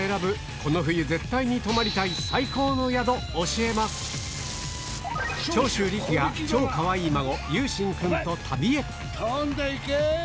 この冬絶対に泊まりたい最高の宿教えます長州力が超かわいい孫由真君と旅へ飛んで行け！